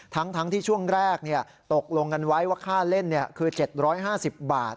ทั้งที่ช่วงแรกตกลงกันไว้ว่าค่าเล่นคือ๗๕๐บาท